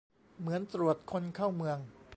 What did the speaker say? เหมือนตรวจคนเข้าเมือง